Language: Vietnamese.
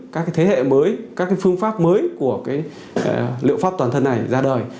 các cái thế hệ mới các cái phương pháp mới của cái liệu pháp toàn thân này ra đời